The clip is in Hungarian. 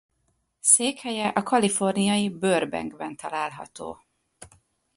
Székhelye a kaliforniai Burbankben található.